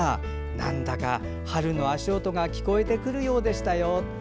なんだか春の足音が聞こえてくるようでしたよ。